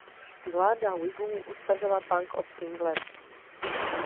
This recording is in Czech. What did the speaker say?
Vláda Whigů ustavila Bank of England.